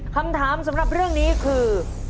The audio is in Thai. คำถามสำหรับเรื่องนี้คือ